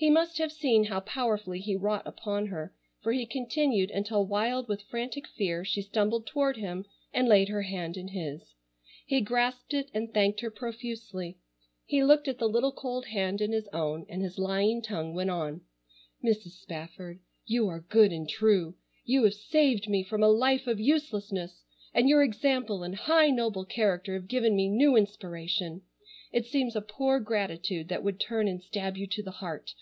He must have seen how powerfully he wrought upon her, for he continued until wild with frantic fear she stumbled toward him and laid her hand in his. He grasped it and thanked her profusely. He looked at the little cold hand in his own, and his lying tongue went on: "Mrs. Spafford, you are good and true. You have saved me from a life of uselessness, and your example and high noble character have given me new inspiration. It seems a poor gratitude that would turn and stab you to the heart.